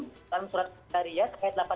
dalam surat syariat ayat delapan belas